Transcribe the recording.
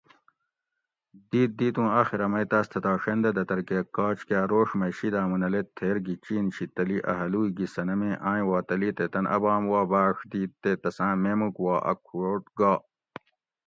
دیت دیت ھوں آخرہ مئ تاۤس تھتاڛین دہ دتر کہ کاچ کاۤ روڛ مئ شید آمو نہ لید تھیر گی چِین شی تلی اۤ ھلوئ گی صنم ایں آیٔیں وا تلی تے تن اۤ باۤم وا باڄ دیت تے تساں میموک وا اۤ کھوٹ گا